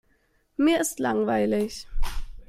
Mir ist langweilig.